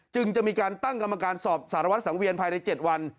จึงจะมีการตั้งกรรมการสอบสารวัตรสังเวียนภายใน๗วัน